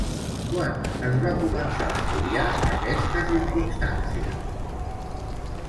Quan es va començar a estudiar aquesta circumstància?